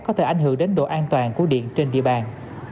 có thể ảnh hưởng đến độ an toàn của điện trên địa bàn